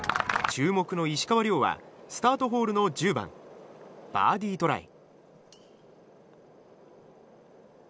注目の石川亮はスタートホールの１０番バーディートライ。